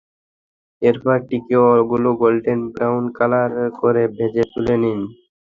এরপর টিকিয়াগুলো golden brown colour করে ভেজে তুলে নিন।